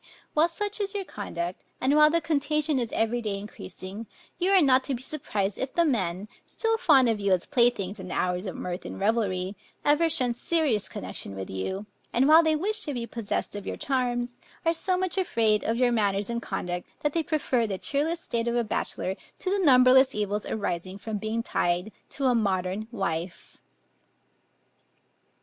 While such is your conduct, and while the contagion is every day increasing, you are not to be surprised if the men, still fond of you as playthings in the hours of mirth and revelry, ever shun serious connection with you; and while they wish to be possessed of your charms, are so much afraid of your manners and conduct, that they prefer the cheerless state of a bachelor, to the numberless evils arising from being tied to a modern wife.